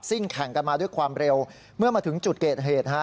่งแข่งกันมาด้วยความเร็วเมื่อมาถึงจุดเกิดเหตุฮะ